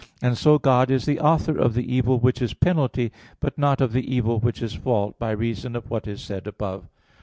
And so God is the author of the evil which is penalty, but not of the evil which is fault, by reason of what is said above.